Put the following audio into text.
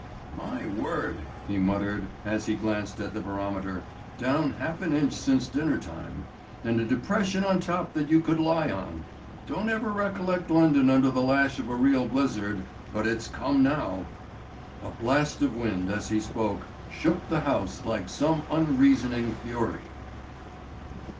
"My word," he muttered as he glanced at the barometer. "Down half an inch since dinner time. And a depression on top that you could lie in. Don't ever recollect London under the lash of a real blizzard, but it's come now." A blast of wind, as he spoke, shook the house like some unreasoning fury.